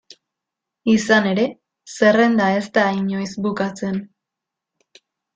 Izan ere, zerrenda ez da inoiz bukatzen.